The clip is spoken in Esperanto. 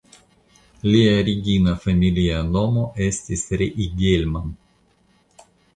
Lia origina familia nomo estis "Riegelmann".